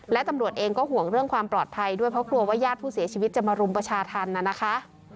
และตำรวจเองก็ห่วงเรื่องความปลอดภัยด้วยเพราะกลัวว่าญาติผู้เสียชีวิตจะมารุมประชาธรรมน่ะนะคะ